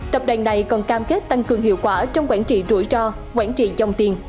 tập đoàn này còn cam kết tăng cường hiệu quả trong quản trị rủi ro quản trị dòng tiền